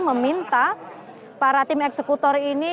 meminta para tim eksekutor ini